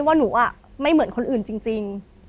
ว่าหนูไม่เหมือนคนอื่นจริง